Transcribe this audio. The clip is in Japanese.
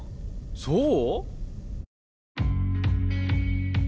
そう？